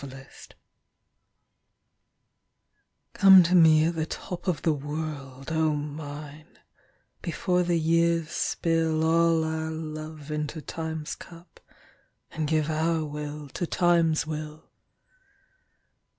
Gidlow COME to me at the top of the world,O Mine, before the years spillAll our love into Time's cupAnd give our will to Time's will.